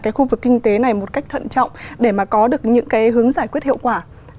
cái khu vực kinh tế này một cách thận trọng để mà có được những cái hướng giải quyết hiệu quả